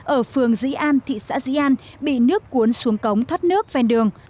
ở phường dĩ an thị xã dĩ an bị nước cuốn xuống cống thoát nước ven đường